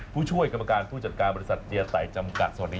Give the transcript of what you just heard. ผู้ช่วยกรรมการผู้จัดการบริษัทเดียไต่จำกัดสวัสดี